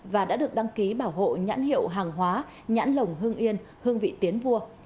và đã được đăng ký bảo hộ nhãn hiệu hàng hóa nhãn lồng hưng yên hương vị tiến vua